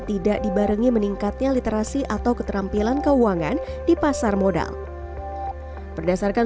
tidak dibarengi meningkatnya literasi atau keterampilan keuangan di pasar modal berdasarkan